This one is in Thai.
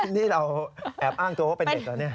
นี่เราแอบอ้างตัวเป็นเด็กเหรอ